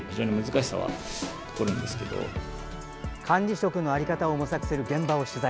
管理職の在り方を模索する現場を取材。